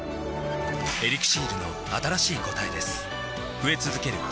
「エリクシール」の新しい答えです